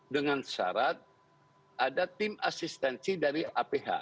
dengan syarat ada tim asistensi dari aph